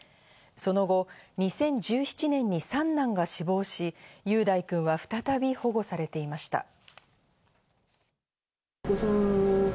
その後、２０１７年に三男が死亡し、雄大くんは再び保護されていました。